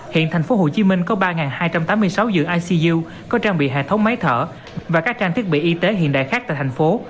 hiện tp hcm có ba hai trăm tám mươi sáu dự icu có trang bị hệ thống máy thở và các trang thiết bị y tế hiện đại khác tại thành phố